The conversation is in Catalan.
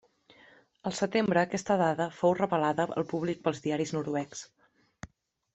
Al setembre aquesta dada fou revelada al públic pels diaris noruecs.